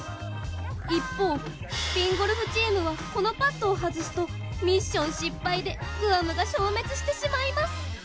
一方ＢＩＮＧＯＬＦチームはこのパットを外すとミッション失敗でグアムが消滅してしまいます。